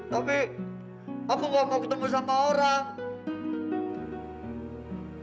tapi aku gak mau ketemu sama orang